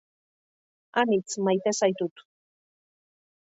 Anitz maite zaitut